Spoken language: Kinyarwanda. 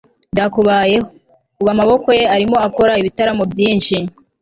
byakubayeho. ubu amaboko ye arimo akora ibitaramo byinshi